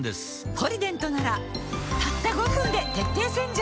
「ポリデント」ならたった５分で徹底洗浄